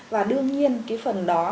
và đương nhiên cái phần đó